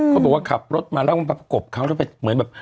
เขาบอกว่าขับรถมาแล้วก็ประกบเขาแล้วไปเหมือนแบบ